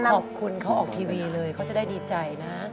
ขอบคุณเขาออกทีวีเลยเขาจะได้ดีใจนะ